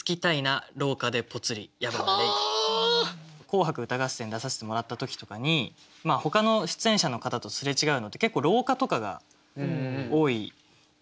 「紅白歌合戦」出させてもらった時とかにほかの出演者の方とすれ違うのって結構廊下とかが多いイメージで。